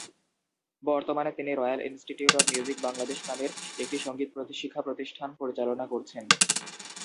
বর্তমানে তিনি "Royal Institute of Music Bangladesh" নামের একটি সঙ্গীত শিক্ষা প্রতিষ্ঠান পরিচালনা করছেন।